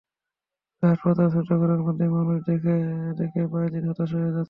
তবে হাসপাতালের ছোট ঘরের মধ্যে মানুষ দেখে দেখে বায়েজিদ হতাশ হয়ে যাচ্ছে।